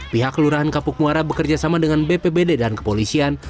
pihak lurahan kapuk muara bekerjasama dengan bpbd dan kepolisian